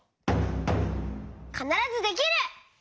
「かならずできる！」。